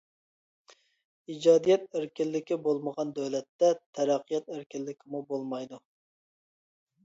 ئىجادىيەت ئەركىنلىكى بولمىغان دۆلەتتە تەرەققىيات ئەركىنلىكىمۇ بولمايدۇ.